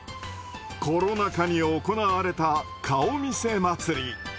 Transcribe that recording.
コロナ禍に行われた「顔見せ祭り」。